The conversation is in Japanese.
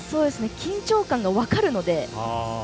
緊張感が分かるので。